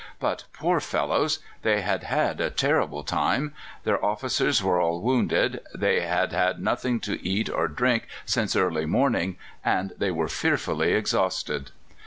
But, poor fellows! they had had a terrible time: their officers were all wounded; they had had nothing to eat or drink since early morning, and they were fearfully exhausted.